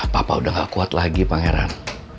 papa udah gak kuat lagi pangeran